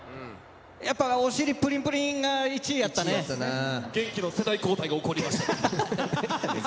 やっぱりお尻プリンプリンが元気の世代交代が起こりました。